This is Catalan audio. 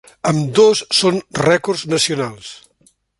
Ambdós són rècords nacionals.